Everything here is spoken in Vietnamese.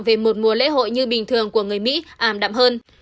về một mùa lễ hội như bình thường của người mỹ ảm đạm hơn